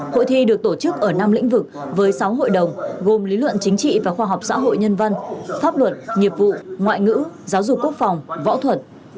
hội thi được tổ chức ở năm lĩnh vực với sáu hội đồng gồm lý luận chính trị và khoa học xã hội nhân văn pháp luật nghiệp vụ ngoại ngữ giáo dục quốc phòng võ thuật